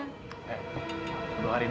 yang mana aja tidak sendiri